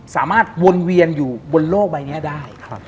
สามารถวนเวียนอยู่บนโลกใบนี้ได้